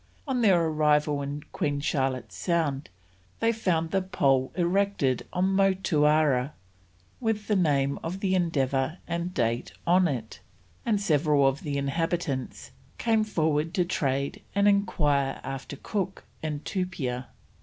On their arrival in Queen Charlotte's Sound, they found the pole erected on Motuara, with the name of the Endeavour and date on it, and several of the inhabitants came forward to trade and enquire after Cook and Tupia.